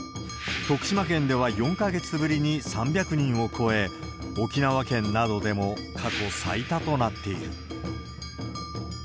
徳島県では４か月ぶりに３００人を超え、沖縄県などでも過去最多となっている。